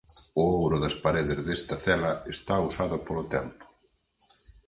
O ouro das paredes desta cela está usado polo tempo.